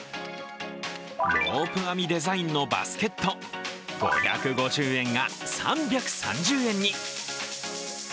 ロープ編みデザインのバスケット、５５０円が３３０円に。